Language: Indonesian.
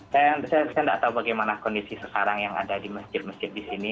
saya tidak tahu bagaimana kondisi sekarang yang ada di masjid masjid di sini